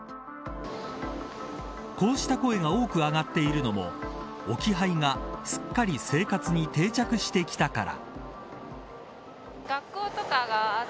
こうした声が多く上がっているのも置き配がすっかり生活に定着してきたから。